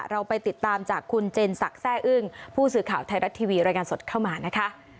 เราไปติดตามจากคุณเจนศักดิ์แซ่อึ้งผู้สื่อข่าวไทยรัฐทีวีรายงานสดเข้ามานะคะ